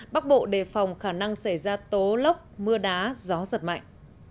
bắc bộ đề phòng khả năng xảy ra tố lốc mưa đá gió giật mạnh